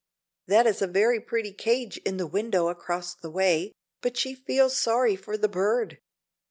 That is a very pretty cage in the window across the way, but she feels sorry for the bird.